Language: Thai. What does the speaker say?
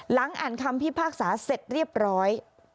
หลังอ่านคำพิพากษาเสร็จเรียบร้อย